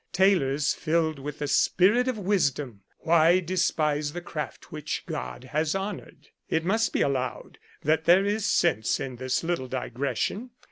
Tailors filled with the spirit of wisdom ! Why despise the craft which God has honoured ?" It must be allowed that there is sense in this little digression.